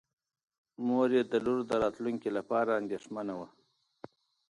مور یې د لور د راتلونکي لپاره اندېښمنه وه.